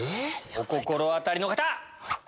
お心当たりの方！